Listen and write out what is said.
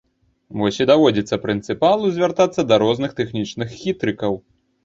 Вось і даводзіцца прынцыпалу звяртацца да розных тэхнічных хітрыкаў.